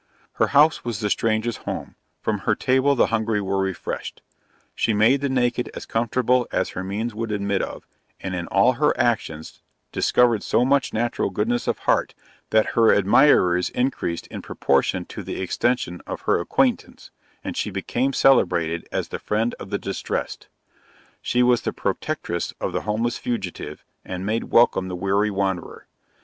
Her house was the stranger's home; from her table the hungry were refreshed; she made the naked as comfortable as her means would admit of; and in all her actions, discovered so much natural goodness of heart, that her admirers increases in proportion to the extension of her acquaintance, and she became celebrated as the friend of the distressed. She was the protectress of the homeless fugitive, and made welcome the weary wanderer.